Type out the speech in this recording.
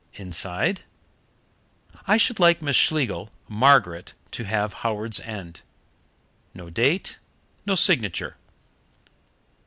Inside: 'I should like Miss Schlegel (Margaret) to have Howards End.' No date, no signature.